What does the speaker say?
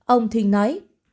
ông thuyền nói